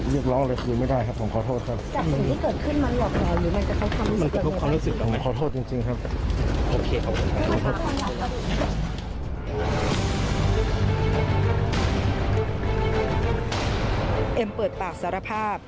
เอ็มเปิดปากสารภาพ